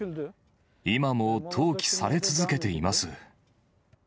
今も投棄され続けています。